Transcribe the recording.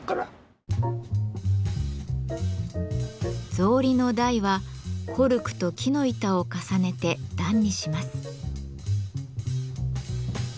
草履の台はコルクと木の板を重ねて段にします。